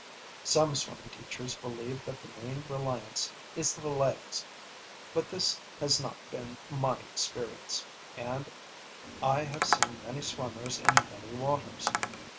Some swimming teachers believe that the main reliance is the legs, but this has not been my experience, and I have seen many swimmers in many waters.